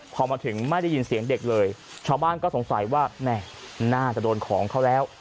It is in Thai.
พอมาถึงไม่ได้ยินเสียงเด็กเลยชาวบ้านก็สงสัยว่าแม่น่าจะโดนของเขาแล้ว